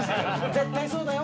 絶対そうだよ。